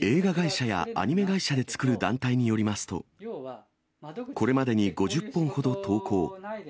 映画会社やアニメ会社で作る団体によりますと、これまでに５０本ほど投稿。